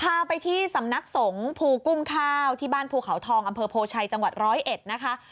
พาไปที่สำนักสงฆ์ภูกุ้งข้าวที่บ้านภูเขาทองอำเภอโพชัยจังหวัดร้อยเอ็ดนะคะ